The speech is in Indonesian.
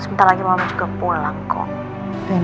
sebentar lagi mama juga pulang kok